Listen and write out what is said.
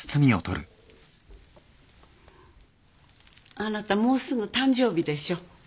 あなたもうすぐ誕生日でしょ。